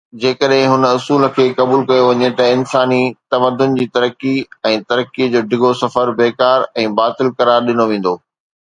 جيڪڏهن هن اصول کي قبول ڪيو وڃي ته انساني تمدن جي ترقي ۽ ترقيءَ جو ڊگهو سفر بيڪار ۽ باطل قرار ڏنو ويندو.